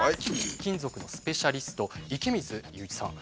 貴金属のスペシャリスト池水雄一さん。